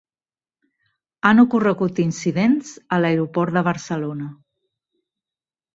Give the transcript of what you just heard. Han ocorregut incidents a l'aeroport de Barcelona